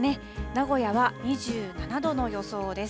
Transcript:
名古屋は２７度の予想です。